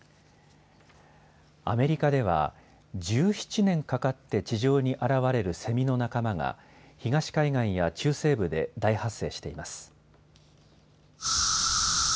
アメリカでは１７年かかって地上に現れるセミの仲間が東海岸や中西部で大発生しています。